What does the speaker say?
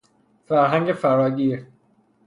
فرهنگ فراگیر